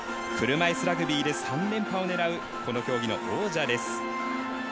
車いすラグビーで３連覇を狙うこの競技の王者です。